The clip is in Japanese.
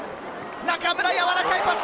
中村、やわらかいパス。